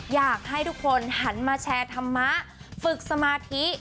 อยากให้ทุกคนหันมาแชร์ธรรมะฝึกสมาธิ